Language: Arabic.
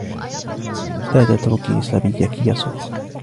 لا تتركي صبيك يصرخ.